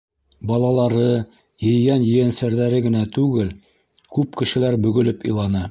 Балалары, ейән-ейәнсәрҙәре генә түгел, күп кешеләр бөгөлөп иланы.